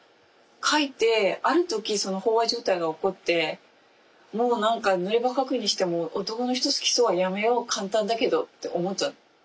描いてある時その飽和状態が起こってもう何か濡れ場描くにしても「男の人好きそう」はやめよう簡単だけどって思っちゃった。